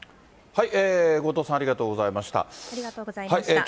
後藤さん、ありがとうございました。